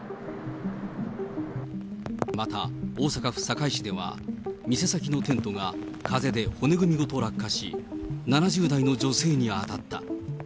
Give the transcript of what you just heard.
また、大阪府堺市では、店先のテントが風で骨組みごと落下し、７０代の女性に当たった。